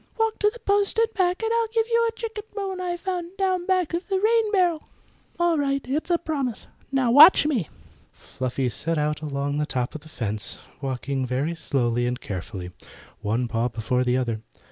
"Walk to the post and back and I'll give you a chicken bone I found down back of the rain barrel." "All right; it's a promise. Now watch me." Fluffy set out along the top of the fence, walking very slowly and carefully, one paw before the other.